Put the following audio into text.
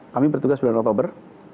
kami bertugas sembilan oktober